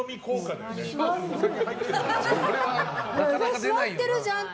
座ってるじゃんって。